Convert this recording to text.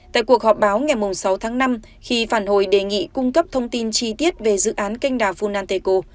tại cuộc họp báo ngày sáu tháng năm khi phản hồi đề nghị cung cấp thông tin chi tiết về dự án canh đào funanteko